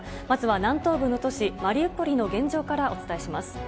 まずは南東部の都市マリウポリの現状からお伝えします。